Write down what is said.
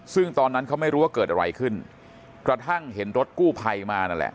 ซึ่งตอนนั้นเขาไม่รู้ว่าเกิดอะไรขึ้นกระทั่งเห็นรถกู้ภัยมานั่นแหละ